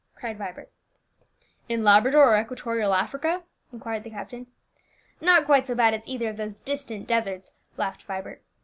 cried Vibert. "In Labrador or equatorial Africa?" inquired the captain. "Not quite so bad as either of those distant deserts," laughed Vibert.